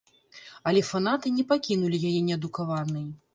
Але фанаты не пакінулі яе неадукаванай.